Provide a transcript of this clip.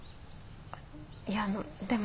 いやあのでも。